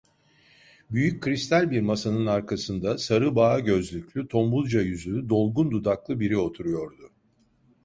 Büyük, kristal bir masanın arkasında, sarı bağa gözlüklü, tombulca yüzlü, dolgun dudaklı biri oturuyordu.